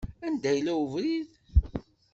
Anda yella webrid?